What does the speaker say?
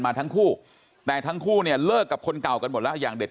มาทั้งคู่แต่ทั้งคู่เนี่ยเลิกกับคนเก่ากันหมดแล้วอย่างเด็ด